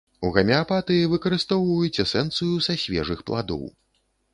У гамеапатыі выкарыстоўваюць эсэнцыю са свежых пладоў.